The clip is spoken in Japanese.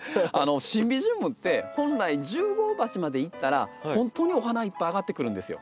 シンビジウムって本来１０号鉢までいったら本当にお花いっぱいあがってくるんですよ。